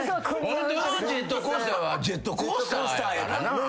ホントのジェットコースターはジェットコースターやからな。